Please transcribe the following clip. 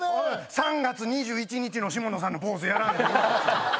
３月２１日の下野さんのポーズやらんでいい。